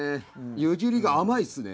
湯切りが甘いっすね。